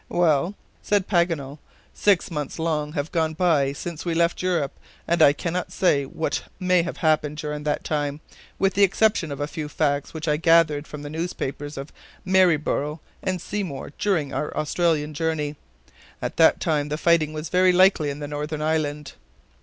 "Well," said Paganel, "six long months have gone by since we left Europe, and I cannot say what may have happened during that time, with the exception of a few facts which I gathered from the newspapers of Maryborough and Seymour during our Australian journey. At that time the fighting was very lively in the Northern Island."